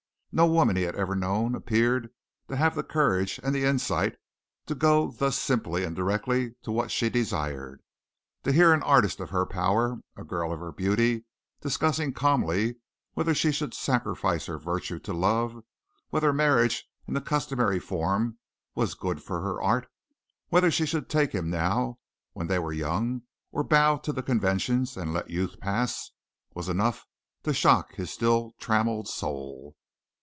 No woman he had ever known appeared to have the courage and the insight to go thus simply and directly to what she desired. To hear an artist of her power, a girl of her beauty, discussing calmly whether she should sacrifice her virtue to love; whether marriage in the customary form was good for her art; whether she should take him now when they were young or bow to the conventions and let youth pass, was enough to shock his still trammelled soul.